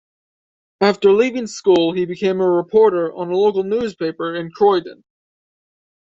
After leaving school he became a reporter on a local newspaper in Croydon.